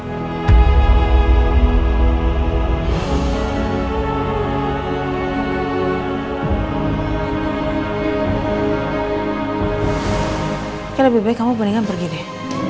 kayaknya lebih baik kamu peringat pergi deh